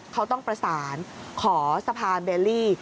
เขาต้องประสานขอสะพานเบลลี่